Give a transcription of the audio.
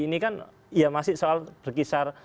ini kan masih berkisar